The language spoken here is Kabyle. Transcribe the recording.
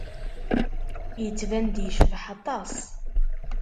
Yettban-d yecbeḥ aṭas.